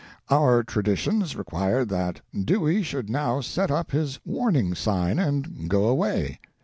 Our traditions required that Dewey should now set up his warning sign, and go away.